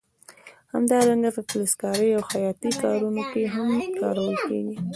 همدارنګه په فلزکارۍ او خیاطۍ کارونو کې هم کارول کېږي.